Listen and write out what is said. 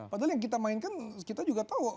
padahal yang kita mainkan kita juga tahu